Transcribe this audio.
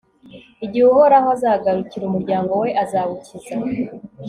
igihe uhoraho azagarukira umuryango we azawukiza